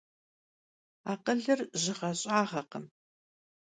Akhılır jığe - ş'ağekhım.